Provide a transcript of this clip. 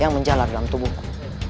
yang menjalar dalam tubuhku